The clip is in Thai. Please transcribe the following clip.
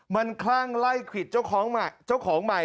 มันคลั่งไล่ควิดเจ้าของใหม่